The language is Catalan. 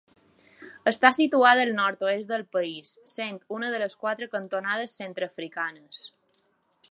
Està situada al nord-oest del país, sent una de les quatre cantonades centreafricanes.